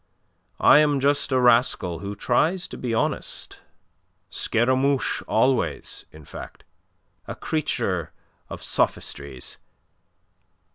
"I am just a rascal who tries to be honest Scaramouche always, in fact; a creature of sophistries.